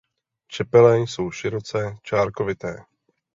Čepele jsou široce čárkovité.